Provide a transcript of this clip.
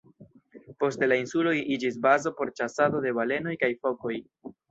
Poste la insuloj iĝis bazo por ĉasado de balenoj kaj fokoj.